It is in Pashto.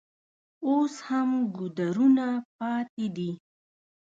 اوس هم ګودرونه پاتې دي.